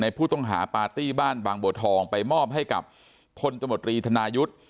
ผู้ต้องหาปาร์ตี้บ้านบางบัวทองไปมอบให้กับพลตมตรีธนายุทธ์